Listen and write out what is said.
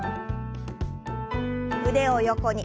腕を横に。